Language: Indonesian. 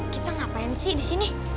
kita ngapain sih di sini